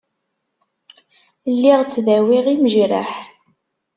Lliɣ ttdawiɣ imejraḥ.